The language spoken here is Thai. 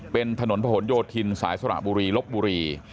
เป็นถนนผนโยธินสายสระบุรีลบบุรี